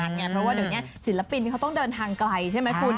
เพราะว่าเดี๋ยวนี้ศิลปินเขาต้องเดินทางไกลใช่ไหมคุณ